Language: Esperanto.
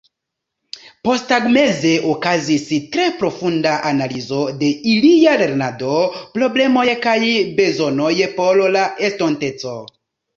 Posttagmeze okazis tre profunda analizo de ilia lernado, problemoj kaj bezonoj por la estonteco.